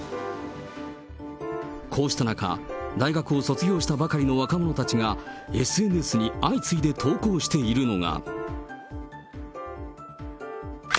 こうした中、大学を卒業したばかりの若者たちがＳＮＳに相次いで投稿しているのが。